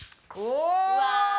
うわ！